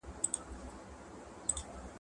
زه هره ورځ د کور دنده ترسره کوم.